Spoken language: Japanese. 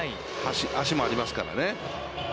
足もありますからね。